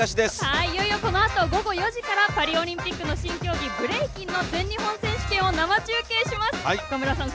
いよいよこのあと午後４時からパリオリンピックの新競技ブレイキンの全日本選手権を生中継します。